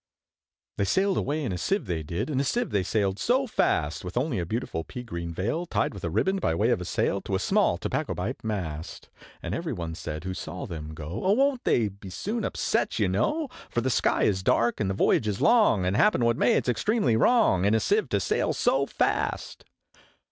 They sailed away in a Sieve, they did, In a Sieve they sailed so fast, With only a beautiful pea green veil Tied with a riband by way of a sail, To a small tobacco pipe mast; And every one said, who saw them go, `O won't they be soon upset, you know! For the sky is dark, and the voyage is long, And happen what may, it's extremely wrong In a Sieve to sail so fast!'